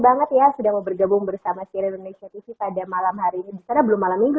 banget ya sudah bergabung bersama kira kira pada malam hari ini karena belum malam minggu